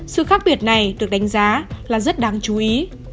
sự khác biệt này được đánh giá là rất đáng chú ý